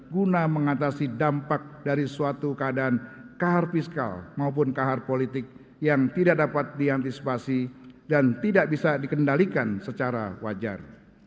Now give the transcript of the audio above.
guna mengatasi dampak dari suatu keadaan kahar fiskal maupun kahar politik yang tidak dapat diantisipasi dan tidak bisa dikendalikan secara wajar